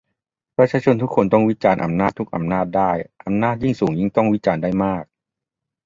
ประชาชนทุกคนต้องวิจารณ์อำนาจทุกอำนาจได้ อำนาจยิ่งสูงยิ่งต้องถูกวิจารณ์ได้มาก